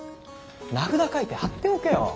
名札書いて貼っておけよ。